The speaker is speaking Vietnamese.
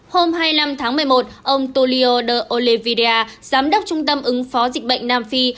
hôm hai mươi năm tháng một mươi một ông tolio de olevia giám đốc trung tâm ứng phó dịch bệnh nam phi